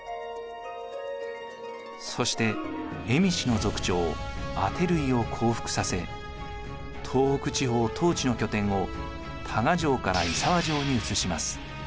そして蝦夷の族長阿流為を降伏させ東北地方統治の拠点を多賀城から胆沢城に移します。